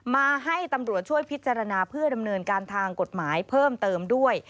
มาให้ตำรวจช่วยพิจารณาเพื่อดำเนินการทางกฎหมายเพิ่มเติมด้วย